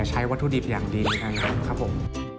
ใช้วัตถุดิบอย่างดีในการทำครับผม